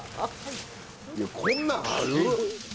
いやこんなんある？